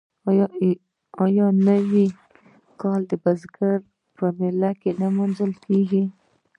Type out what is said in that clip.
آیا نوی کال د بزګر په میله نه لمانځل کیږي؟